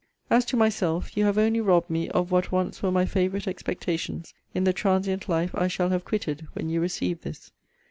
As to myself, you have only robbed me of what once were my favourite expectations in the transient life I shall have quitted when you receive this.